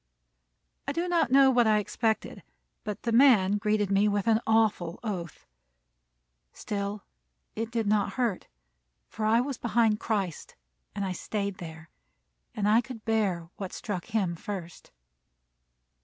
I do not know what I expected, but the man greeted me with an awful oath. Still it did not hurt; for I was behind Christ, and I stayed there; and I could bear what struck him first.